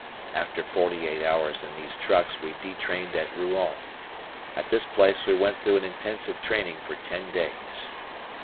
After forty eight hours in these trucks we detrained at Rouen. At this place we went through an intensive training for ten days.